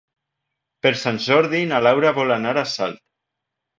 Per Sant Jordi na Laura vol anar a Salt.